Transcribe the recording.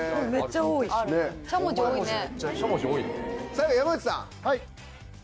さて山内さん。